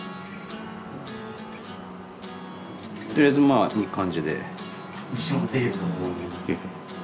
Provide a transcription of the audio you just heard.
とりあえずまあいい感じで。